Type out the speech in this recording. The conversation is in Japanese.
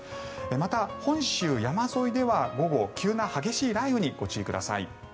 また、本州山沿いでは午後、急な激しい雷雨にご注意ください。